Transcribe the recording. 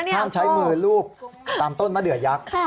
ใช้มือรูปตามต้นมะเดือยักษ์